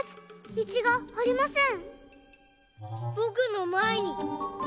道がありません。